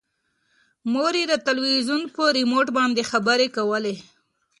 مور یې د تلویزون په ریموټ باندې خبرې کولې.